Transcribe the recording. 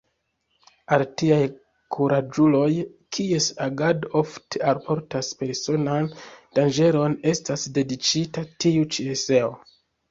Al tiaj kuraĝuloj, kies agado ofte alportas personan danĝeron, estas dediĉita tiu ĉi eseo.